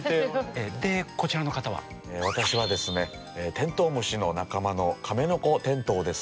テントウムシの仲間のカメノコテントウです。